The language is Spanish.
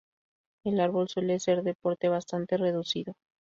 El árbol suele ser de porte bastante reducido.